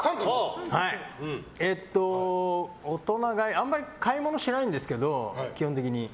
大人買い、あんまり買い物しないんですけど基本的に。